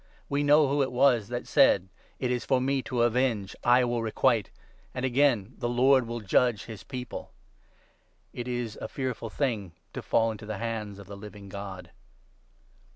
We know who it 30 was that said —' It is for me to avenge, I will requite '; and again —' The Lord will judge his people.' It is a fearful thing to fall into the hands of the Living God.